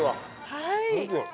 はい。